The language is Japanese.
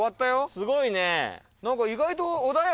すごいね。